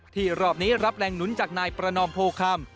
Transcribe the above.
รอบนี้รับแรงหนุนจากนายประนอมโพคำ